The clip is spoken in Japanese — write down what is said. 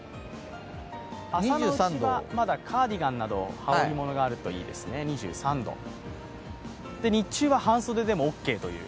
朝のうちはまだカーディガンなど羽織り物があるといいですね、２３度日中は半袖でもオーケーという。